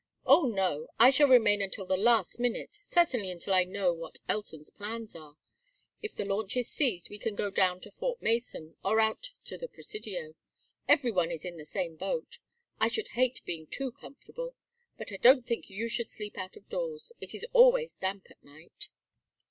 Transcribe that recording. "Oh no. I shall remain until the last minute, certainly until I know what Elton's plans are. If the launch is seized we can go down to Fort Mason or out to the Presidio. Every one is in the same boat. I should hate being too comfortable. But I don't think you should sleep out of doors. It is always damp at night."